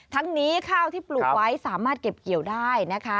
ทั้งนี้ข้าวที่ปลูกไว้สามารถเก็บเกี่ยวได้นะคะ